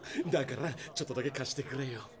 だからちょっとだけ貸してくれよ。